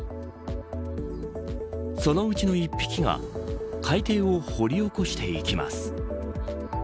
そのうちの１匹が海底を掘り起こしていきます。